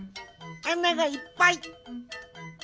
あながいっぱい！